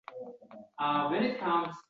Chigit ekasan davlatga paxta kerak